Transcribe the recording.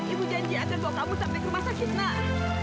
ibu janji akan bawa kamu sampai ke rumah sakit nak